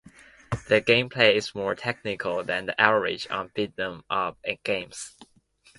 The gameplay is more technical than the average on beat'em up games.